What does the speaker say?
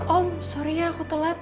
om sorry ya aku telat